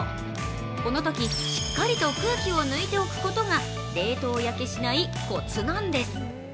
このときしっかりと空気を抜いておくことが冷凍焼けしないコツなんです。